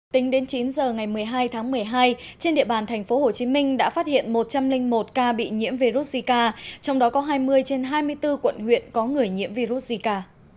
tính đến chín giờ ngày một mươi hai tháng một mươi hai trên địa bàn thành phố hồ chí minh đã phát hiện một trăm linh một ca bị nhiễm virus zika trong đó có hai mươi trên hai mươi bốn quận huyện có người nhiễm virus zika